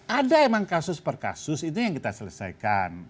ada emang kasus per kasus itu yang kita selesaikan